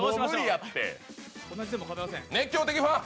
熱狂的ファン！